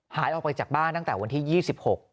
หายออกไปจากบ้านตั้งแต่วันที่๒๖